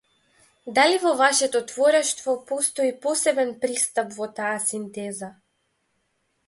Дали во вашето творештво постои посебен пристап во таа синтеза?